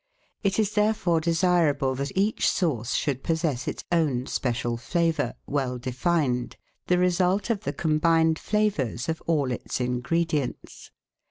It is therefore desirable that each sauce should possess its own special flavour, well defined, the result of the combined flavours of all its ingredients.